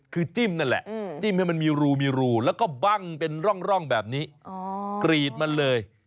คือจิ้มนั่นแหละจิ้มให้มันมีรูมีรูแล้วก็บั้งเป็นร่องแบบนี้กรีดมันเลย